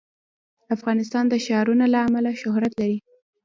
افغانستان د ښارونه له امله شهرت لري.